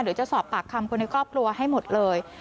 เดี๋ยวจะสอบปากคำคนในครอบครัวให้หมดเลย